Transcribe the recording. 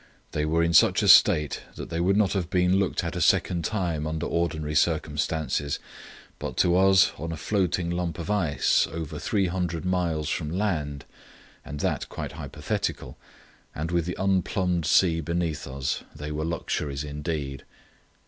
They were in such a state that they would not have been looked at a second time under ordinary circumstances, but to us on a floating lump of ice, over three hundred miles from land, and that quite hypothetical, and with the unplumbed sea beneath us, they were luxuries indeed.